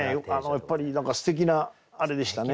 やっぱりすてきなあれでしたね。